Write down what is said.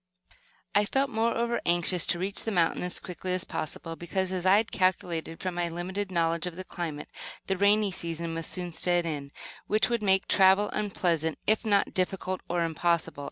I felt, moreover, anxious to reach the mountains as quickly as possible, because, as I had calculated from my limited knowledge of the climate, the rainy season must soon set in, which would make travel unpleasant, if not difficult or impossible.